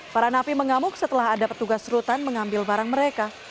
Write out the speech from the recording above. para napi mengamuk setelah ada petugas rutan mengambil barang mereka